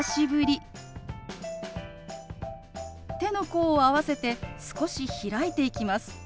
手の甲を合わせて少し開いていきます。